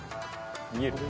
見える？